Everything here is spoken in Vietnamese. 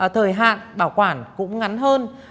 thời hạn bảo quản cũng ngắn hơn